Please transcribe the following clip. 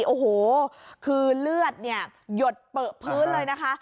โอ้โหคือเลือดเนี่ยหยดเปลือพื้นเลยนะคะ